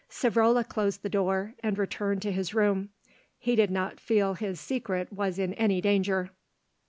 Savrola closed the door and returned to his room. He did not feel his secret was in any danger.